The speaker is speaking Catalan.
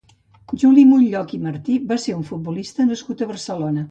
Juli Munlloch i Martí va ser un futbolista nascut a Barcelona.